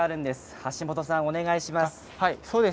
橋本さん、お願いします。